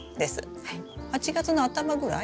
８月の頭ぐらい？